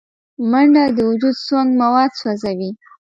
منډه د وجود سونګ مواد سوځوي